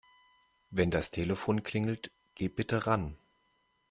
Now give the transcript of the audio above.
Wenn das Telefon klingelt, geh bitte ran.